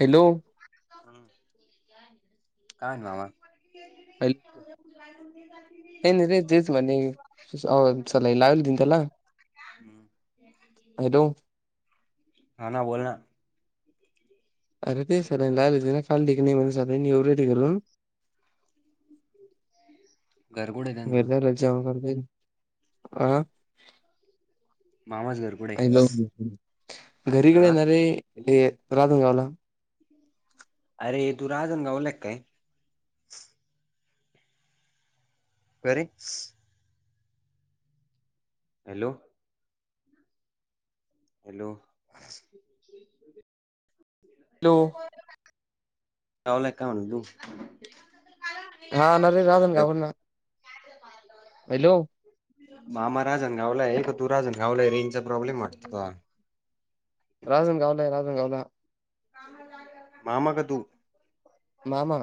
Hello काय नावा. काही नाही रे तेच [unintelligible] म्हणे सलाईन लावील होती त्याला. हम् हॅलो नाना बोलना. [unintelligible] घर कुठे त्यांचं [inaudible] मामाजगर हॅलो घरी घेऊन हा येणार आहे ते रांजण गावला? अरे तू राजन गावलक काय. करे. Hello hello. हॅलो. लावलाय का म्हणून तू. हा नरे राजन का काय ते पार्लर. हॅलो मामा राजण गावला आहे का तू राजणगावलाय रेंजचा प्रॉब्लेम वाटत त. राजन गवला ये राजन गवला मामा का तू मामा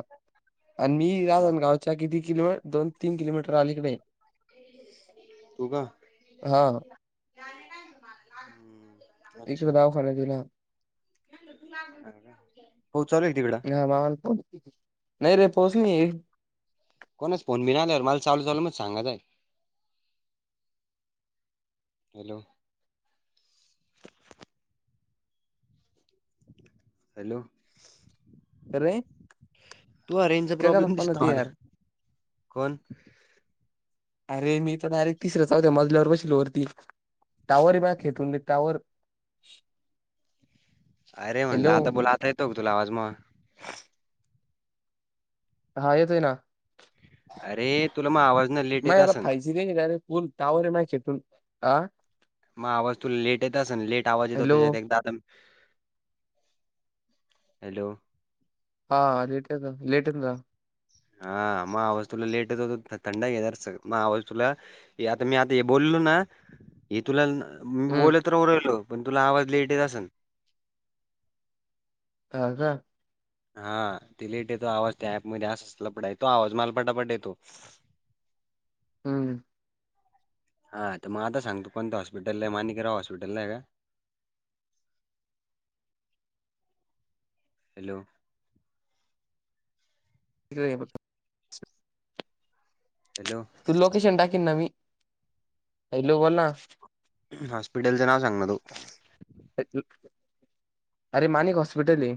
आणि मी राजणगावच्या किती किलोमी दोन तीन किलोमीटर आलीकडे तू का हा एकस दाऊखान दिला पाऊस चालू ये का तिकडं हा मामा पाऊस नाही रे पाऊस नाही ये कोणाच फोन बिन आला मला चालू चालू मध्ये सांगत जाय हॅलो हॅलो अरे तू आ रेंजचा काय करता प्रॉब्लेम पण दिसतो ती यार मला कोण अरे मी तर डायरेक्ट तिसऱ्या चौद्या मजल्यावर बसले वरती टावर ये मा खेतून टावर अरे म्हणलं हॅलो आता बोल आता येतो का तुला आवाज मग हा येतोय ना अरे तुला मग आवाज न लेट येत असन तुम्ही दिलेल फूल टावरे नाहीतून आ मा आवाज तूला लेट येतस ना लेट आवाज येतो हॅलो त्याच्यात एकदा आ [unintelligible] हॅलो हा लेट येत लेटना हा मा आवाज तुला लेट येतो थंड घे जरासं मग आवाज तुला हे आता मी आता हे बोललो ना हे तुला मी हम्म बोल राहू राहीलो पण तुला आवाज लेट येत असन हा का हा ते लेट येतो आवाज त्या ऍपमध्ये असच लपड आहे तो आवाज मला पटापट येतो हम्म हा तर मग आता सांग तु कोणतं हॉस्पिटल आहे माणिकेराव हॉस्पिटलला आहे का हॅलो [unintelligible] हॅलो तूला लोकेशन टाकेन ना मी हॅलो बोल ना हॉस्पिटल च नाव सांगना तू अरे माणिक हॉस्पिटल ये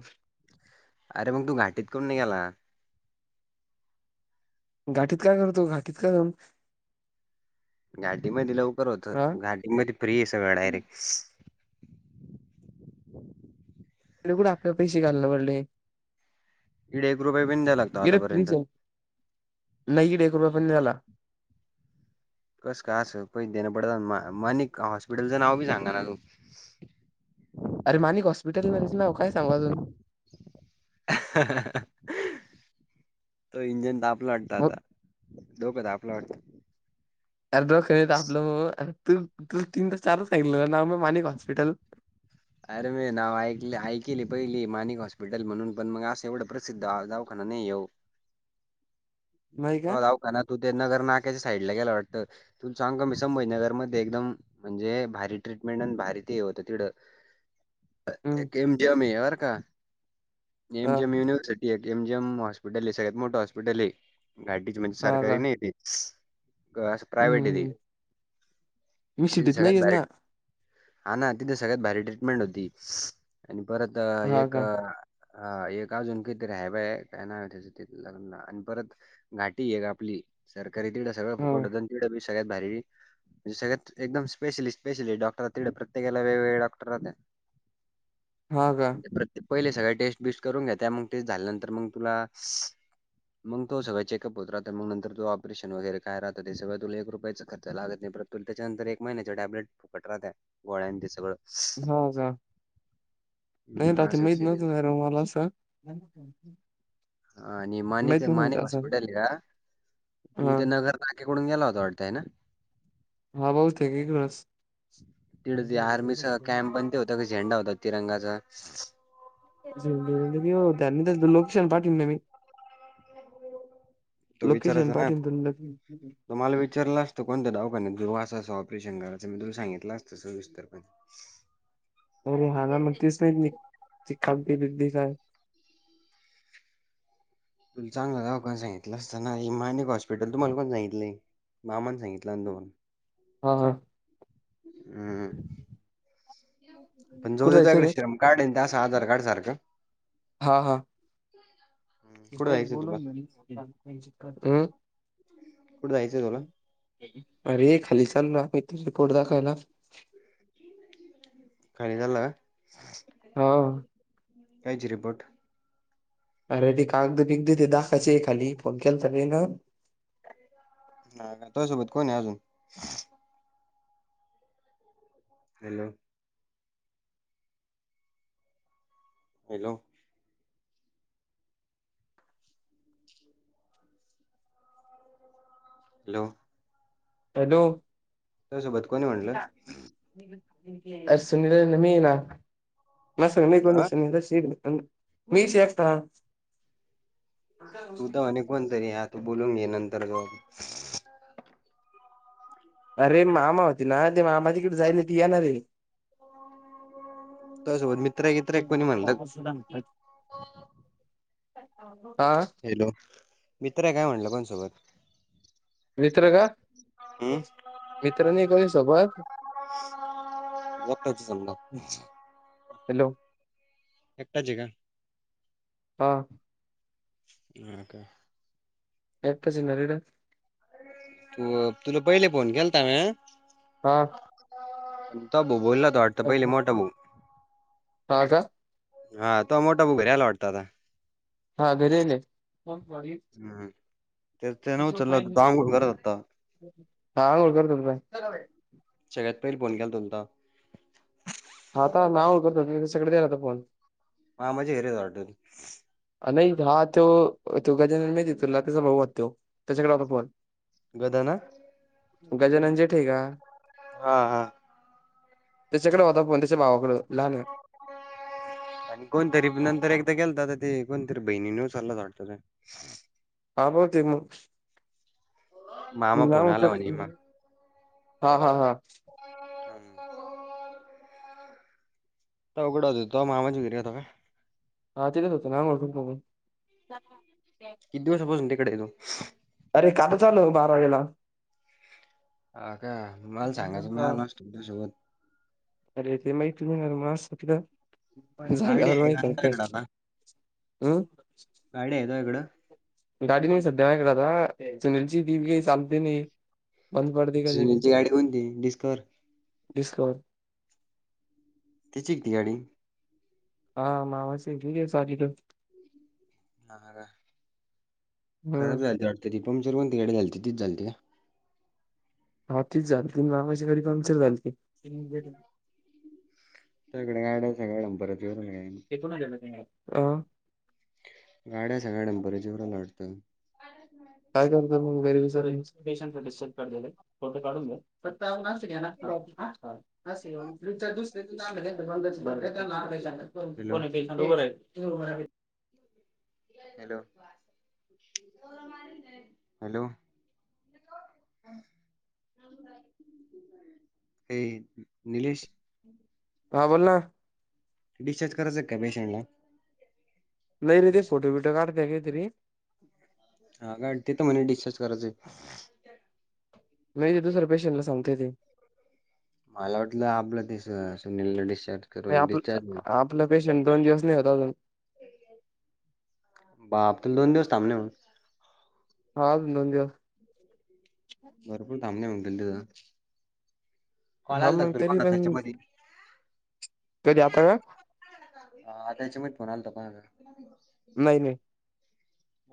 अरे मग तू घाटीत कोमुन नाही गेला घाठीत काय करतो घाठीत का करम घाटीमध्ये लवकर होत हा घाटीमध्ये फ्री ये सगळं डायरेक्ट इड कुड आपल पैसे घालणं पडले इड एक रुपय बि द्याया लागतो इकडे आतापर्यंत फ्रीज आहे नाही इड एक रुपया पन नहीं द्ययला कस काय असं पैसे देणं पडत म मणिक हॉस्पिटलचं नाव बी सांगा ना तू अरे मानिक हॉस्पिटल नरे त्याच नाव काय सांगु अजून तो इंजन ताप तापला वाटत आता डोक तापलं वाटत अर्र डोक नाही तापलं भो तू तू तुला तीन दा चार दा सांगितलं ना नाव मानिक हॉस्पिटल [inaudible] अरे मे नाव ऐक ऐकली पहिली माणिक हॉस्पिटल म्हणून, पण मग असं एवढं प्रसिद्ध दावखाना नाही ये. नाही का तवा दवाखान्यात होते, नगर नाक्याच्या साईड ला गेला वाटतं. तू सांग का मी संभजीनगरमध्ये एकदम म्हणजे भारी ट्रीटमेंट आणि भारी ते होतं तढं- हम्म केम जेम अर का एम हा जेम युनिवर्सिट, केम जेम हॉस्पिटल आहे, सगळ्यात मोठं हॉस्पिटल आहे [unintelligible] म्हणजे हा सरकारी का नाही ते असं हम्म प्रायव्हेट ते, हम्म. मी तेथे सिटीत सगळ्यात नाहीयेच भारी ना - हा ना तिथे सगळ्यात भारी ट्रीटमेंट होती, सी.. आणि परत हा एक का अ, हा एक अजून किती ह्या बाई काय नाव आहे त्याचं तिथं लना आणि परत, घाटी एक आपली, सरकारी तिड सगळं हो फुकटन तिडी सगळ्यांत भारी- म्हणजे सगळ्यांत एकदम स्पेशलिस्ट स्पेशली डॉक्टर आहे, तिकडं प्रत्येकाला वेगळे वेगळे डॉक्टर राहतो. हा का [unintelligible] पहिले सगळ्या टेस्ट बिस्ट करून घेत्या, मग टेस्ट झाल्यानंतर मग पुन्हा सी.. मग तो सगळं चेक- होत राहत, मग नंतर तू ऑपरेशन वगैरे काय राहात ते सगळं तुला एक रुपयाचा खर्च लागत नाही. पण त्याच्यानंतर एक महिन्याच्या टॅबलेट फूकट राहत, गोळ्यांचे तेन सगळं. हो का नाही हम्म, रात्री असा माहित विषय तिथं. नव्हतं र मला सांग, ह आणि मानेिक मानिक असं हॉस्पिटल का, तु हा तेव्हा च जर, नाक्याकडून गेला होता वाटताय ना? हा भाऊ तेगी कळस तिथं ते आर्मीचा कॅम्प पण ते होता झेंडा होता तिरंगाचा. [unintelligible] लोकेशन पाठन नाही मी. तो विचारायच लोकेशन नाय, पाठवून तुला तु मला विचारला असतं कोणत्या दवाखान्यात घेऊन असं असं ऑपरेशन करायचं मी तुला सांगितलंच असतं. सविस्तर पणे. अरे हाला म्हण तेच नाही तध काय [unintelligible] तुला चांगलं दवाखाना सांगितलं असताना, हे मानिक हॉस्पिटल तुम्हाला कोण सांगितले? मामान सांगितलंय. हा हा हम् पण जाऊ कुठं देेतो जायचं इकडे रे श्रम कार्ड आहे, त्यां आधार कार्ड सारखं. हम्म. ते कुठं पहि जायचंय बोलून तुला? म कात [unintelligible] कुठं जायचंय. अरे खाली चालोय [unintelligible] रिपोर्ट दाखवायला. खाली चाला का? हा कायचे रिपोर्ट? अरे ते कागद बिकगद ते दाखयचे खाली, फोन केलाता [unintelligible] हो का तुझ्यासोबत कोण आहे अजून? हॅलो हॅलो हॅलो हॅलो तुझ्यासोबत कोण आहे म्हटलं? अर सुनीला न मी ना [inaudible] म सग नाही कोणी हा? सग मीच एककता [inaudible] तू तर अ कोण तरी आ तू बोलून घे नंतर ज [inaudible] अरे मामा होती ना, ते मामा तिकडे जायला ती येणारे. तुजा सोबत मित्र एकित्र एक कोणी म्हणतं. हा हॅलो मित्र आहे काय म्हटलं कोणासोबत. मित्र का हम्म. मित्र नाही कोणी सोबात [unintelligible] समजा [unintelligible] हॅलो एकटच आहे का? हा [inaudible] एेत सि्हरीड [inaudible] तू तुला पहिले फोन केलता म्या [inaudible] हा त भाऊ बोलला तो वाटता पहिले मोठा भाऊ हा का हा तो मोठा भाऊ घरी आला वाटतता आता. हा घरी आले. हम्म तर तेन उचलला होता तो आंघोळ करत होता. हा आंघोळ करत होता बाई. सगळ्यात पाहिले फोन केलता तुला. आता नाव [unintelligible] आता फोन मामाच्या घरी आहेत वाटत? नाही हा त्यो तो गाजानन माहिते तुला त्याचा भाऊ होता त्यो त्याच्याकडे होता फोन. गदा ना? गजानन जे ठे का? हा हा त्याच्याकडे होता फोन त्याच्या भावाकडे लहान हम् [inaudible] आणि कोणतरी नंतर एकदा केलता तर कोणतरी बहिणीने उचलला होता वाटत. हा [unintelligible] मग मामा फोन नाव आला फक्त म्हणे मग हा हा हा [unintelligible] [inaudible] अवघड आहे तो मामाच्या घरी राहतो काय? हा तिथेच होते ना [unintelligible] ? [unintelligible] किती दिवसा पासून तिकडे आहे तू? अरे कालच आलो बारावीेला. हा काय मला सांगायचं मी हा आलो असतो तुझ्या सोबत अरे ते माहिती नाही मग [unintelligible] गाडी झाल्यावर आहे मग का काय तुझ्याकडं पाहिजे आता? हम् गाडी हाय तुझ्याकडं? गाडी नाही सध्या दादा सुनील ची आहे ती चालती नाही बंद पडते कधी सुनील ची गाडी कोणती डिस्कवर डिस्कवर त्याची आहे ती गाडी हा मामाची एक घेऊंदे साधीत ह का हम्म खराब झाली वाटत ती पंक्चर कोणती गाडी झालती तीच गाडी झालती का? हा तीच झालती, आणि मामाची गाडी पंक्चर झालती. सगळ्या गाड्या सगळ्या नंबरच्या नाहीत. [unintelligible] गाड्या सगळ्या नंबर झीरो आला वाटतं. काय करता मग घरी येऊन सर्विस, पेशंटच डीचार्ज कार्ड द्यायलय फोटो काढून घ्या. [inaudible] कोण हॅलो आहे पेशंट रूम वर आहेतं? रूम वर आहेत. Hello, hello. हे, नीलेश. हां बोल ना. डिस्चार्ज करायचं का पेशंटला? नाही रे ते फोटो बिटो काढताय काय तरी. हा का, ते तर म्हणे डिस्चार्ज करायचं हाय. नाही तिथं दुसऱ्या पेशंटला सांगतय ते. मला वाटलं आपलं ते, सुनीलला डिस्चार्ज. नाही करल आप, डिस्चार्ज आपलं पेशंट दोन दिवस नाही होत अजून. बा, आपण अजून दोन दिवस थांबणे हो ना. हा अजून दोन दिवस. भरपूर थांबणे होऊन जाईल त्येज. कॉल हा आलता मग तर तरी पण कोणाच्यात मधी कधी आता का हा, आता हेच्यामध्ये फोन आलता कोणाचा? नाही, नाही.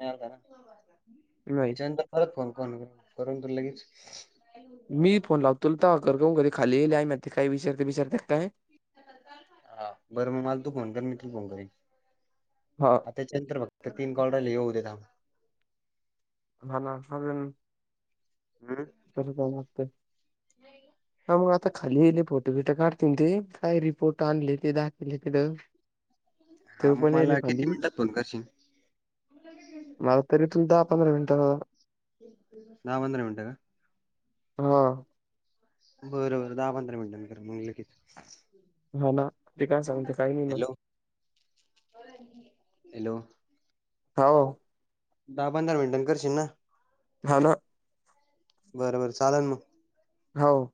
हेच्यावर करा, नाही हेच्यानंतर परत फोन कोण करून तूला लगेच मी फोन लावतो तुला तवा कर गं घरी खाली, मी आहे वरती काय विचारते बिचारते ती कि काय? हा, बरं मग मला तू फोन कर, मी तुला फोन करीन. हा आ, त्याच्यानंतर फक्त तीन कॉल राहिले येऊ द्या थांब. हाना चालेल. हम्म. परत जावं लागतंय? नाही. हा मग आता खाली इले फोटो-बिटो काढतीन ते, काय रिपोर्ट आणले ते दाखेले तिथं. हा ते मग पण येले मला खाली किती मिनिटात फोन करशील? मला तरी इथून दहा -पंधरा मिनिट. दहा -पधरा मिनट का? हा. बरोबर दहा- पंधरा मिनिटांन कर मंग लगीच. हा ना ते काय सांगते काही नाही मग हॅलो, हॅलो. हावो. दहा -पंधरा मिनटां करशील ना? हा ना. बरबर चालन मग. हो.